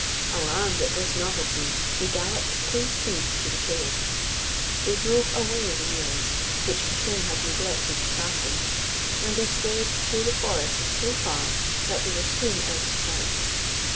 Alarmed at this novelty, they galloped full speed to the cave. They drove away the mules, which Cassim had neglected to fasten, and they strayed through the forest so far, that they were soon out of sight.